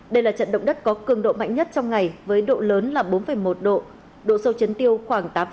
đây là trận động đất có cường độ mạnh nhất trong ngày với độ lớn là bốn một độ độ sâu chấn tiêu khoảng tám